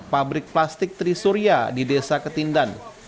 pabrik plastik trisuria di desa ketindan